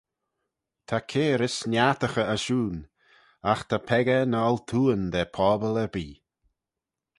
Ta cairys niartaghey ashoon: agh ta peccah ny oltooan da pobble erbee.